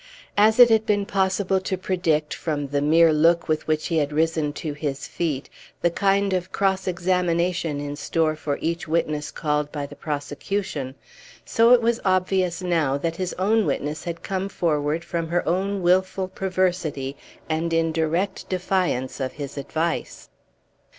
As it had been possible to predict, from the mere look with which he had risen to his feet, the kind of cross examination in store for each witness called by the prosecution, so it was obvious now that his own witness had come forward from her own wilful perversity and in direct defiance of his advice.